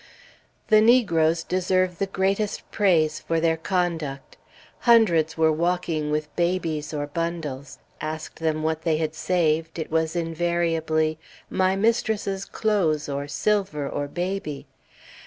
The negroes deserve the greatest praise for their conduct. Hundreds were walking with babies or bundles; ask them what they had saved, it was invariably, "My mistress's clothes, or silver, or baby."